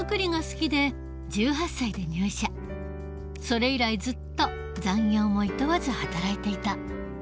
それ以来ずっと残業もいとわず働いていた。